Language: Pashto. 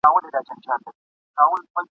د خرقې دام!.